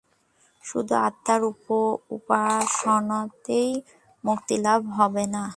শুধু আত্মার উপাসনাতেই মুক্তিলাভ হবে।